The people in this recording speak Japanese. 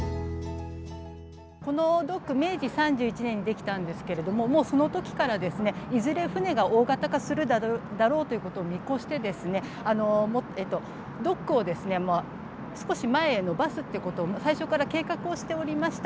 このドック、明治３１年にできたんですけれどもその時から、いずれ船が大型化するだろうということを見越してドックを少し前に伸ばすということを最初から計画しておりました。